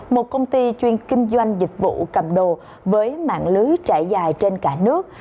một công ty chuyên kinh doanh dịch vụ cầm đồ với mạng lưới trải dài trên cả nước